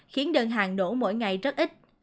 khiến đơn hàng nổ mỗi ngày rất ít